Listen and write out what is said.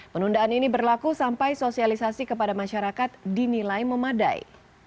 penundaan ini berlaku sampai sosialisasi kepada masyarakat dinilai memadai